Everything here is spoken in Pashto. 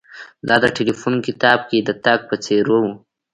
دا د ټیلیفون کتاب کې د تګ په څیر و